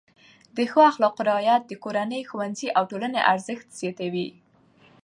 د ښو اخلاقو رعایت د کورنۍ، ښوونځي او ټولنې ارزښت زیاتوي.